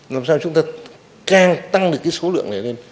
làm sao chúng ta càng tăng được cái số lượng này lên